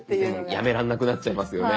やめらんなくなっちゃいますよね。